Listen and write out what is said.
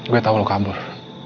gue tau lo kabur